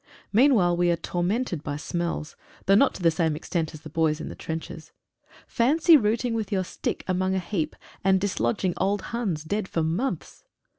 Meanwhile, we are tormented by smells — though not to. the same extent as the boys in the trenches. Fancy rooting with your stick among a heap and dislodging old Huns dead for months.